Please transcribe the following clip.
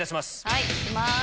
はいいきます。